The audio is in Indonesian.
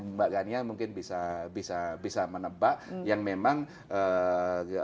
mbak gania mungkin bisa menebak yang memang kemungkinan kemungkinan